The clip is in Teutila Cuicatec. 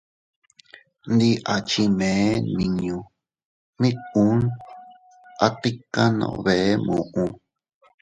Ndi a chi mee nmiññu, mit uun a tikano bee muʼu.